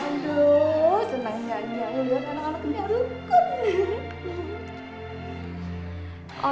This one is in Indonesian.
aduh seneng gak liat liat anak anaknya dulu kan